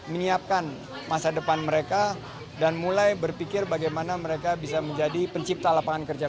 menyiapkan masa depan mereka dan mulai berpikir bagaimana mereka bisa menjadi pencipta lapangan kerja